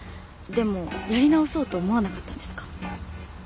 でもやり直そうと思わなかったんですか？